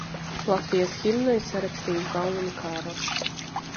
Latvijas himnu ir sarakstījis Baumaņu Kārlis.